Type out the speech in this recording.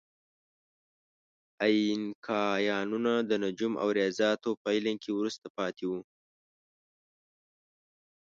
اینکایانو د نجوم او ریاضیاتو په علم کې وروسته پاتې وو.